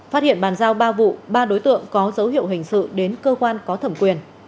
phát hiện bàn giao ba vụ ba đối tượng có dấu hiệu hình sự đến cơ quan có thẩm quyền